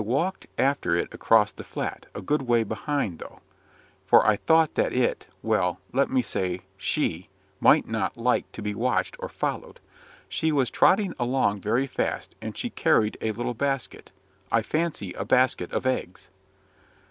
I walked after it across the Flat, a good way behind, though; for I thought that it well, let me say SHE might not like to be watched or followed. She was trotting along very fast, and she carried a little basket I fancy a basket of eggs."